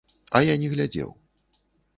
А я не глядзеў.